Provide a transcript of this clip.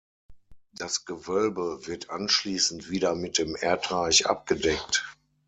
Das Gewölbe wird anschließend wieder mit dem Erdreich abgedeckt.